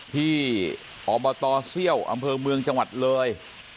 ที่อบตเซี่ยวอำเภอเมืองจังหวัดเลย